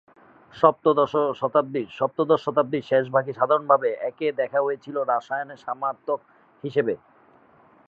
সপ্তদশ শতাব্দীর শেষভাগে সাধারণভাবে একে দেখা হয়েছিল রসায়নের সমার্থক হিসেবে।